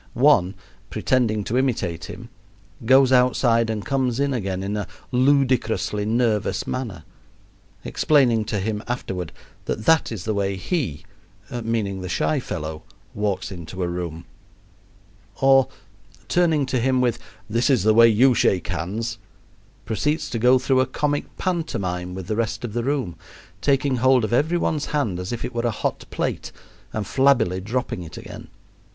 One, pretending to imitate him, goes outside and comes in again in a ludicrously nervous manner, explaining to him afterward that that is the way he meaning the shy fellow walks into a room; or, turning to him with "This is the way you shake hands," proceeds to go through a comic pantomime with the rest of the room, taking hold of every one's hand as if it were a hot plate and flabbily dropping it again.